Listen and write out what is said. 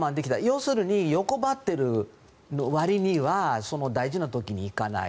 要するに欲張っているわりには大事な時に行かない。